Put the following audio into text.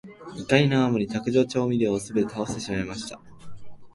怒りのあまり、卓上調味料をすべて倒してしまいました。